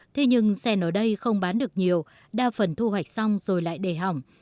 thế nhưng sen ở đây không bán được nhiều đa phần thu hoạch xong rồi lại để hỏng